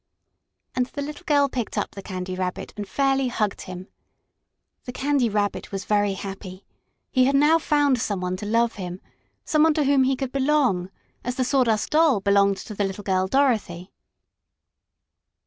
and the little girl picked up the Candy Rabbit and fairly hugged him. The Candy Rabbit was very happy. He had now found some one to love him some one to whom he could belong, as the Sawdust Doll belonged to the little girl Dorothy.